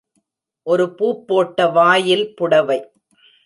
ஒரு பூப்போட்ட வாயில் புடவை.